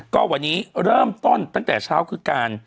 ก็วันนี้เริ่มต้นตั้งแต่เช้าคือการ